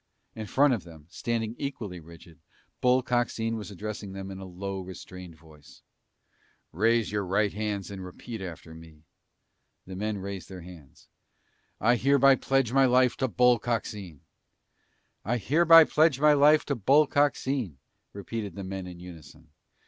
In front of them, standing equally rigid, Bull Coxine was addressing them in a low restrained voice. "Raise your right hands and repeat after me." The men raised their hands. "I hereby pledge my life to Bull Coxine!" "... I hereby pledge my life to Bull Coxine...." repeated the men in unison.